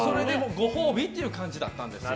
ご褒美という感じだったんですよ。